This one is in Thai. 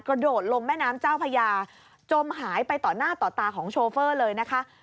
กระโดดลงแม่น้ำเจ้าพญาจมหายไปต่อหน้าต่อตาของโชเฟอร์เลยนะคะ